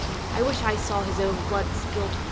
I wish I saw his own blood spilt!